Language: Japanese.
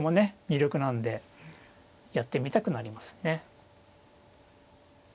魅力なんでやってみたくなりますね。